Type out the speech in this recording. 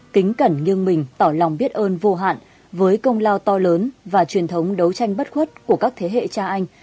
kính cẩn nghiêng mình tỏ lòng biết ơn vô hạn với công lao to lớn và truyền thống đấu tranh bất khuất của các thế hệ cha anh